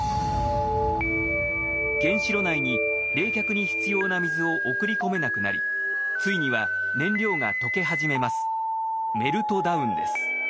原子炉内に冷却に必要な水を送り込めなくなりついには燃料が溶け始めます。